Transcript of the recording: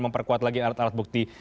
memperkuat lagi alat alat bukti